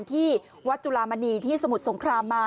ที่วัดจุลามณีที่สมุทรสงครามมา